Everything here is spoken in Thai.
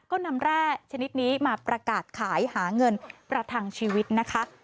ก็นำแร่ชนิดนี้มาประกาศขายหาเงินประทังชีวิตนะคะ